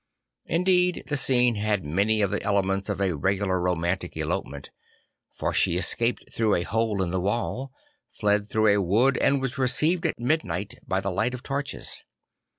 Indeed the scene had many of the elements of a regular romantic elopement; for she escaped through a hole in the wall, fled through a wood and ,vas .received at midnight by the light of torches.